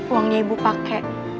uangnya ibu pakai